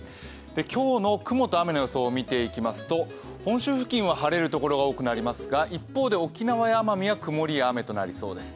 今日の雲と雨の予報を見ていきますと、本州付近では晴れが多くなりますが、一方で沖縄や奄美では曇りになる所が多そうです。